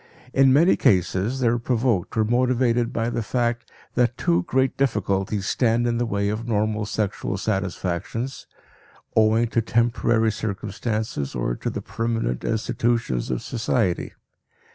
In many cases, they are provoked or motivated by the fact that too great difficulties stand in the way of normal sexual satisfactions, owing to temporary circumstances or to the permanent institutions of society.